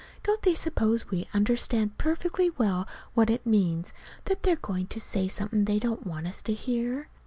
Don't they suppose we understand perfectly well what it means that they're going to say something they don't want us to hear?)